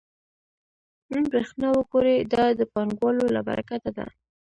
نن برېښنا وګورئ دا د پانګوالو له برکته ده